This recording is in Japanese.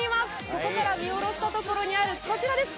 ここから見下ろしたところにあるこちらです。